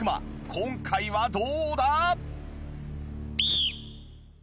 今回はどうだ！？